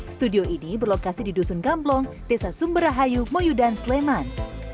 studio ini berlokasi di dusun gamplong desa sumber rahayu moyu dan sleman